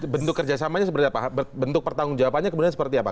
bentuk kerjasamanya seperti apa bentuk pertanggung jawabannya kemudian seperti apa